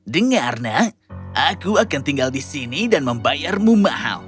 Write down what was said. dengar nak aku akan tinggal di sini dan membayarmu mahal